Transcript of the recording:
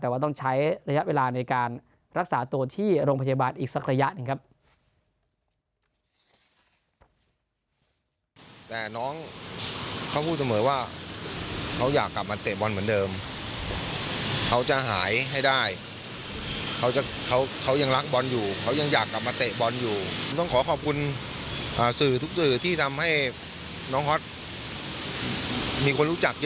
แต่ว่าต้องใช้ระยะเวลาในการรักษาตัวที่โรงพยาบาลอีกสักระยะหนึ่งครับ